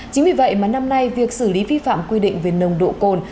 chính vì vậy mà năm nay việc xử lý vi phạm quy định về nồng độ cồn